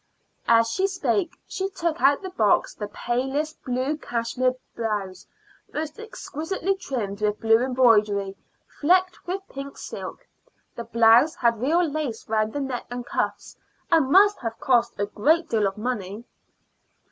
As she spoke she took out of the box the palest blue cashmere blouse, most exquisitely trimmed with blue embroidery flecked with pink silk. The blouse had real lace round the neck and cuffs, and must have cost a great deal of money.